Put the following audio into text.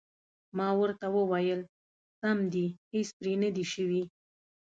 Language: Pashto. ما ورته وویل: سم دي، هېڅ پرې نه دي شوي.